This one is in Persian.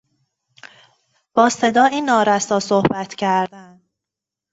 با صدایی نارسا صحبت کردن